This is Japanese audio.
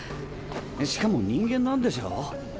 しかも人間なんでしょ？